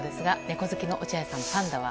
猫好きの落合さん、パンダは？